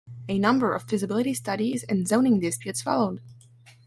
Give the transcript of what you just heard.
A number of feasibility studies and zoning disputes followed.